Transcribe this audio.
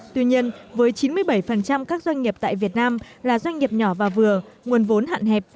tuy nhiên với chín mươi bảy các doanh nghiệp tại việt nam là doanh nghiệp nhỏ và vừa nguồn vốn hạn hẹp